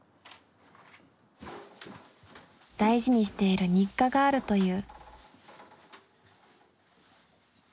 大事にしている日課があるという。